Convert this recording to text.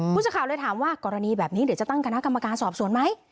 ผู้สื่อข่าวเลยถามว่ากรณีแบบนี้เดี๋ยวจะตั้งคณะกรรมการสอบสวนไหม